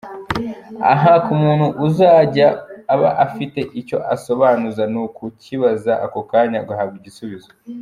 Aha, ku muntu uzajya aba afite icyo asobanuza ni ukukibaza ako kanya agahabwa igisubizo.